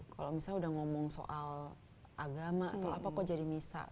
kalau misalnya udah ngomong soal agama atau apa kok jadi misa